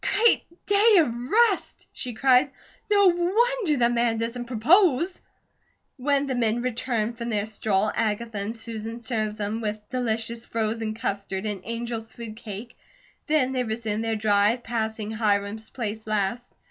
"Great Day of Rest!" she cried. "No wonder the man doesn't propose!" When the men returned from their stroll, Agatha and Susan served them with delicious frozen custard and Angel's food cake. Then they resumed their drive, passing Hiram's place last.